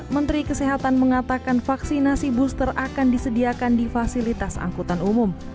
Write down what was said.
menteri kesehatan mengatakan vaksinasi booster akan disediakan di fasilitas angkutan umum